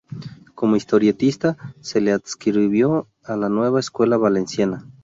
Como historietista, se le adscribió a la Nueva Escuela Valenciana.